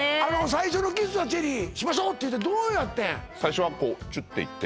最初のキスはチェリーしましょうっていってどうやって最初はこうチュていって